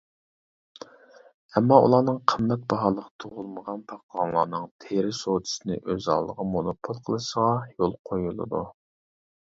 (ئەمما ئۇلارنىڭ قىممەت باھالىق تۇغۇلمىغان پاقلانلارنىڭ تېرە سودىسىنى ئۆز ئالدىغا مونوپول قىلىشىغا يول قويۇلىدۇ) .